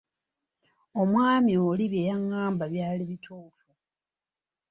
Omwami oli bye yangamba byali bituufu.